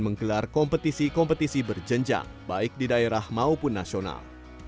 menggelar kompetisi kompetisi berjenjang baik di daerah maupun nasional